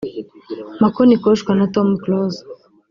Mako Nikoshwa na Tom Close